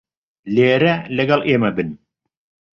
لێرە لەگەڵ ئێمە بن.